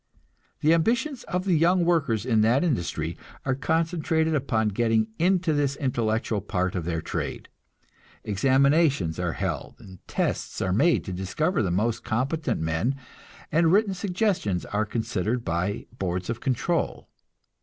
The ambitions of the young workers in that industry are concentrated upon getting into this intellectual part of their trade. Examinations are held and tests are made to discover the most competent men, and written suggestions are considered by boards of control.